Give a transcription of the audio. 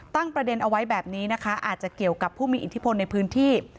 ประเด็นเอาไว้แบบนี้นะคะอาจจะเกี่ยวกับผู้มีอิทธิพลในพื้นที่